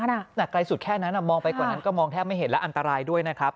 หนักไกลสุดแค่นั้นมองไปกว่านั้นก็มองแทบไม่เห็นและอันตรายด้วยนะครับ